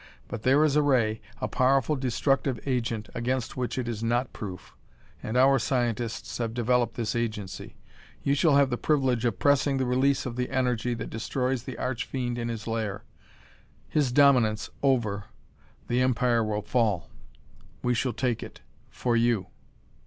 But there is a ray, a powerful destructive agent, against which it is not proof. And our scientists have developed this agency. You shall have the privilege of pressing the release of the energy that destroys the arch fiend in his lair. His dominance over, the empire will fall. We shall take it for you."